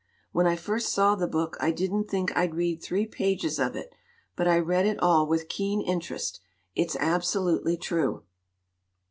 When I first saw the book I didn't think I'd read three pages of it, but I read it all with keen interest. It's absolutely true.